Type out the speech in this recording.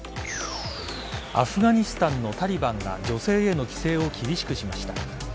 アフガニスタンのタリバンが女性への規制を厳しくしました。